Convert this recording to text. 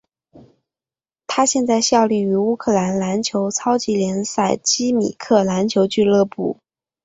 他现在效力于乌克兰篮球超级联赛基米克篮球俱乐部。